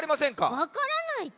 わからないち。